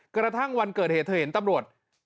กระทั่งวันเกิดเหตุเธอเห็นตำรวจ